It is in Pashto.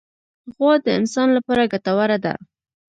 غوا د انسان لپاره ګټوره ده.